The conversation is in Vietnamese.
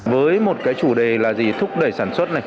với một chủ đề là gì thúc đẩy sản xuất